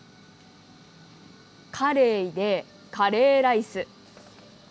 カレイでカレーライス。